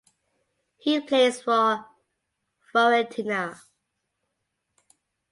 He plays for Fiorentina.